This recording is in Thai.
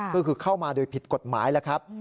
ก็คือเข้ามาโดยผิดกฎหมายแล้วครับ